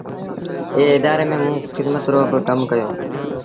ايئي ادآري ميݩ موݩ کدمت رو با ڪم ڪيو۔